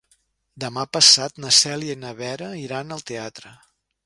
Demà passat na Cèlia i na Vera iran al teatre.